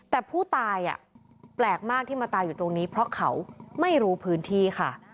แต่ผู้ตายแปลกมากที่มาตายอยู่ตรงนี้เพราะเขาไม่รู้พื้นที่ค่ะ